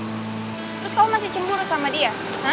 terus kamu masih cemburu sama dia